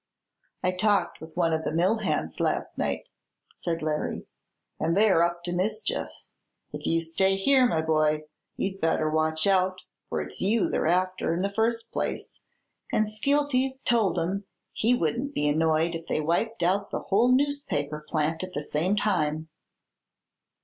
"I talked with one of the mill hands last night," said Larry, "and they're up to mischief. If you stay here, my boy, you'd better watch out, for it's you they're after, in the first place, and Skeelty has told 'em he wouldn't be annoyed if they wiped out the whole newspaper plant at the same time."